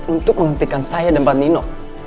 untuk menghentikan saya dan pak nino